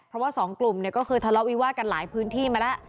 เพราะว่าสองกลุ่มเนี่ยก็เคยทะเลาะวิวาดกันหลายพื้นที่มาแล้ว